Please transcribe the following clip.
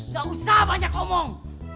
gak usah banyak omong